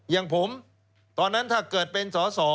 อย่างผมตอนนั้นถ้าเกิดเป็นสอสอ